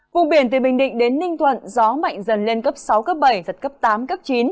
vùng biển từ bình định đến ninh thuận gió mạnh dần lên cấp sáu cấp bảy giật cấp tám cấp chín